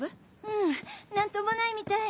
うん何ともないみたい。